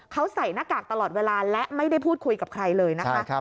เขาใส่หน้ากากตลอดเวลาและไม่ได้พูดคุยกับใครเลยนะคะ